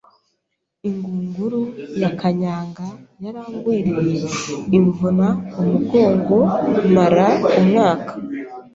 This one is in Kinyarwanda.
ingunguru ya kanyanga yarangwiriye imvuna umugongo mara umwaka